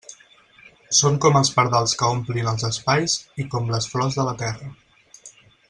Són com els pardals que omplin els espais i com les flors de la terra.